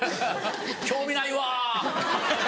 興味ないわ。